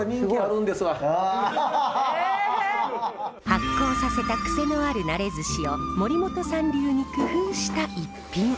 発酵させたクセのあるなれずしを森本さん流に工夫した逸品。